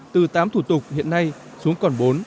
từ tám thủ tục hiện nay xuống còn bốn